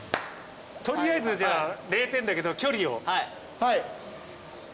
取りあえず０点だけど距離を。